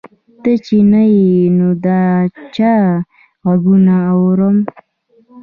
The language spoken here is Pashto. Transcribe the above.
ته چې نه یې نو د چا غـــــــږونه اورم